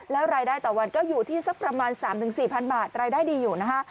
แล้วรายได้ต่อวันก็อยู่ที่สักประมาณ๓๔๐๐บาทรายได้ดีอยู่นะคะ